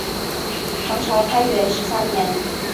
唐朝开元十三年。